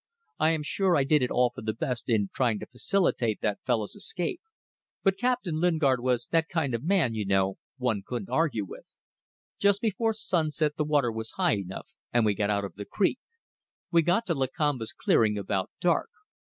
I am sure I did it all for the best in trying to facilitate the fellow's escape; but Captain Lingard was that kind of man you know one couldn't argue with. Just before sunset the water was high enough, and we got out of the creek. We got to Lakamba's clearing about dark.